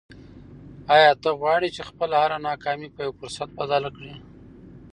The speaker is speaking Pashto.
آیا ته غواړې چې خپله هره ناکامي په یو فرصت بدله کړې؟